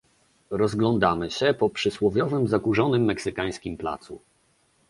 Rozglądamy się po przysłowiowym zakurzonym meksykańskim placu